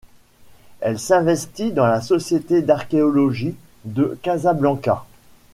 Elle s'investit dans la société d'Archéologie de Casablanca.